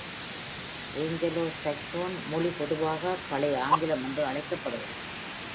Anglo-Saxon மொழி பொதுவாக பழைய ஆங்கிலம் என்று அழைக்கப்படுகிறது.